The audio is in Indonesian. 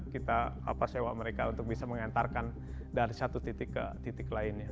kita sewa mereka untuk bisa mengantarkan dari satu titik ke titik lainnya